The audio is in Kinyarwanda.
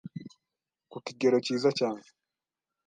ku kigero cyiza cyane